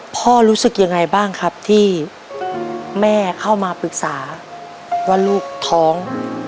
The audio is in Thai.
รู้สึกยังไงบ้างครับที่แม่เข้ามาปรึกษาว่าลูกท้อง